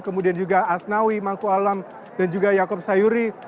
kemudian juga asnawi mangku alam dan juga yaakob sayuri